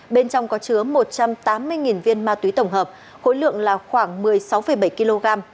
bên trong có chứa một trăm tám mươi viên ma túy tổng hợp khối lượng là khoảng một mươi sáu bảy kg